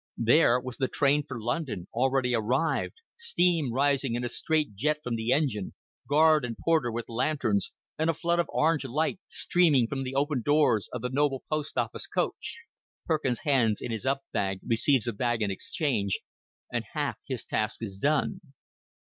There was the train for London already arrived steam rising in a straight jet from the engine, guard and porter with lanterns, and a flood of orange light streaming from the open doors of the noble Post Office coach. Perkins hands in his up bag, receives a bag in exchange, and half his task is done.